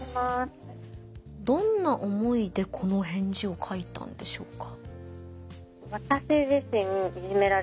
どんな思いでこの返事を書いたんでしょうか？